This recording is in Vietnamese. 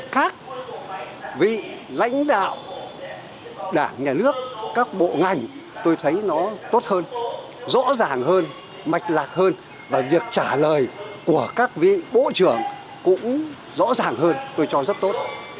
khác vị lãnh đạo đảng nhà nước các bộ ngành tôi thấy nó tốt hơn rõ ràng hơn mạch lạc hơn và việc trả lời của các vị bộ trưởng cũng rõ ràng hơn tôi cho rất tốt